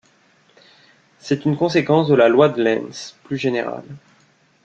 C'est une conséquence de la loi de Lenz, plus générale.